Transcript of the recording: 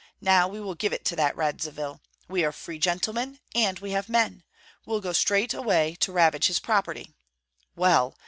Now we will give it to that Radzivill. We are free gentlemen, and we have men. We'll go straightway to ravage his property. Well!